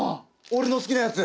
俺の好きなやつ。